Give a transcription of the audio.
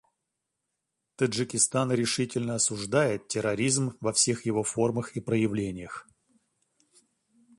Таджикистан решительно осуждает терроризм во всех его формах и проявлениях.